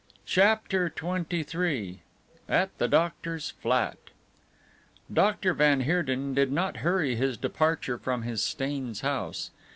CHAPTER XXIII AT THE DOCTOR'S FLAT Dr. van Heerden did not hurry his departure from his Staines house.